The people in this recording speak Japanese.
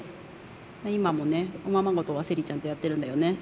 今もねおままごとはセリちゃんとやってるんだよね。